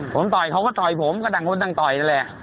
ผมต่อยเขาก็ต่อยผมก็ต่างคนต่างต่อยนั่นแหละ